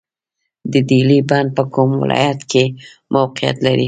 د دهلې بند په کوم ولایت کې موقعیت لري؟